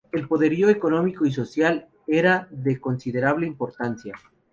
El poderío económico y social era de considerable importancia.